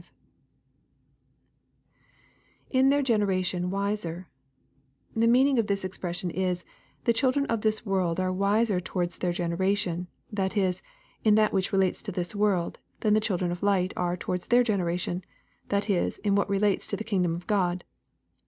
[ Tn their generation tuiserj] The meaning of this expression is, " The children of this world are wiser toward their generation— that is, in what relates to this world — than the children of light are towards their generation — that is, in what relates to the king dom of God."